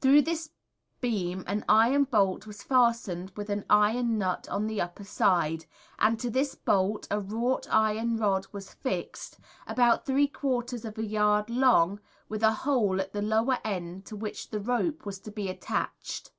Through this beam an iron bolt was fastened with an iron nut on the upper side, and to this bolt a wrought iron rod was fixed, about three quarters of a yard long with a hole at the lower end to which the rope was to be attached.